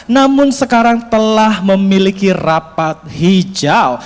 namun sekarang telah memiliki rapat hijau